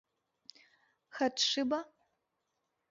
— Хадшиба?